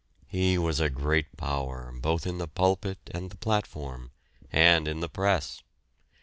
He was a great power, both in the pulpit and the platform, and in the press.